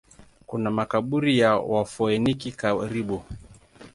Kuna makaburi ya Wafoeniki karibu.